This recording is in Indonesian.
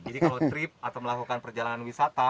jadi kalau trip atau melakukan perjalanan